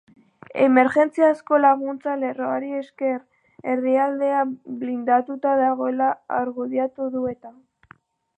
Emergentziazko laguntza-lerroari esker, herrialdea blindatuta dagoela argudiatu du eta.